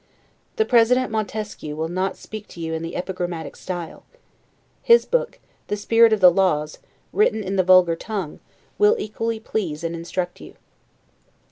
The President Montesquieu will not speak to you in the epigrammatic style. His book, the "Spirit of the Laws," written in the vulgar tongue, will equally please and instruct you.